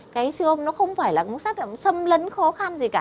cái xương nó không phải là sâm lấn khó khăn gì cả